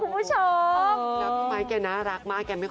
คุณผู้ชมจะฝากเนี่ยพี่ไมค์อยู่ประเทศไลฟ์